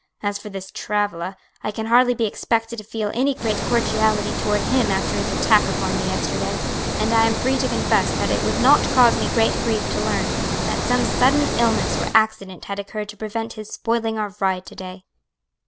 "As for this Travilla, I can hardly be expected to feel any great cordiality toward him after his attack upon me yesterday; and I am free to confess that it would not cause me great grief to learn that some sudden illness or accident had occurred to prevent his spoiling our ride to day."